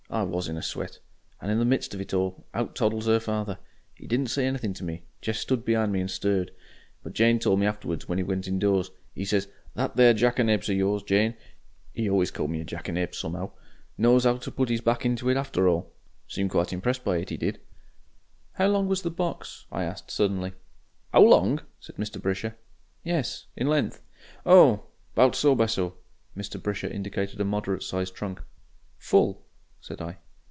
I WAS in a sweat. And in the midst of it all out toddles 'er father. He didn't say anything to me, jest stood behind me and stared, but Jane tole me afterwards when he went indoors, 'e says, 'That there jackanapes of yours, Jane' he always called me a jackanapes some'ow 'knows 'ow to put 'is back into it after all.' Seemed quite impressed by it, 'e did." "How long was the box?" I asked, suddenly. "'Ow long?" said Mr. Brisher. "Yes in length?" "Oh! 'bout so by so." Mr. Brisher indicated a moderate sized trunk. "FULL?" said I.